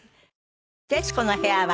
『徹子の部屋』は